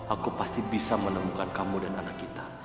aku pasti bisa menemukan kamu dan anak kita